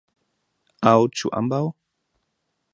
Aŭ ĉu ambaŭ?